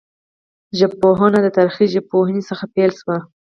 ژبپوهنه د تاریخي ژبپوهني څخه پیل سوه.